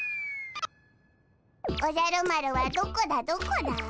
おじゃる丸はどこだどこだ？